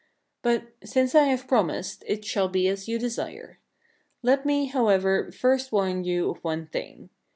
But, since I have promised, it shall be as you desire. Let me, however, first warn you of one thing.